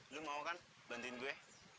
dulu mau kan bantuin gue